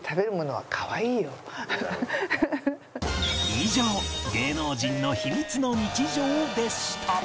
以上芸能人のヒミツの日常でした